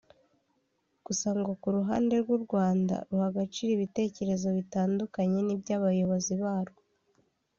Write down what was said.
gusa ngo ku ruhande rw’u Rwanda ruha agaciro ibitekerezo bitandukanye n’iby’abayobozi barwo